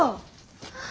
あ。